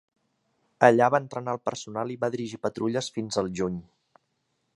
Allà va entrenar el personal i va dirigir patrulles fins al juny.